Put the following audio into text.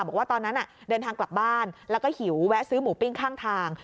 บอกว่าตอนนั้นเดินทางกลับบ้านแล้วก็หิวแวะซื้อหมูปิ้งข้างทาง